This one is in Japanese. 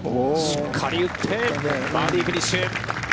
しっかり打って、バーディーフィニッシュ。